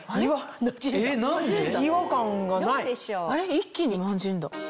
一気になじんだ。